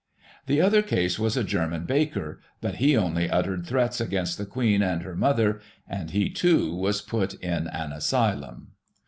The other case was a German baker, but he only uttered threats against the Queen and her mother, and he, too, was put in an asylum.